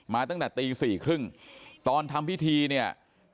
ตั้งแต่ตี๔๓๐ตอนทำพิธีเนี่ย